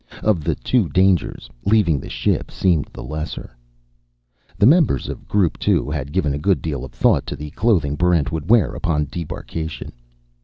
Of the two dangers, leaving the ship seemed the lesser. The members of Group Two had given a good deal of thought to the clothing Barrent would wear upon debarkation.